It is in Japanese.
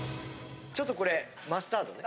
ちょっとこれマスタードね。